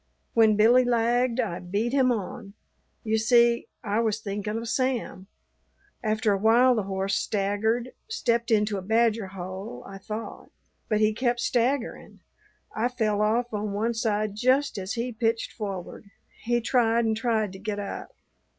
When Billy lagged I beat him on. You see, I was thinking of Sam. After a while the horse staggered, stepped into a badger hole, I thought. But he kept staggerin'. I fell off on one side just as he pitched forward. He tried and tried to get up.